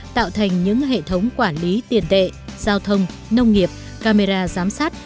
tạo thành những hệ thống quản lý tiền tệ giao thông nông nghiệp camera giám sát